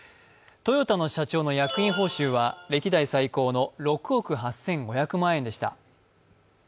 トヨタの社長の役員報酬は歴代最高の６億８５００万円でした。